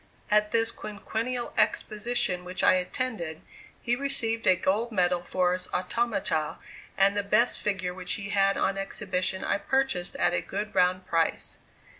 At this quinquennial exposition which I attended, he received a gold medal for his automata, and the best figure which he had on exhibition I purchased at a good round price.